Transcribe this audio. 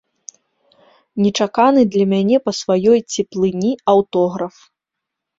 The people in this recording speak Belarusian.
Нечаканы для мяне па сваёй цеплыні аўтограф.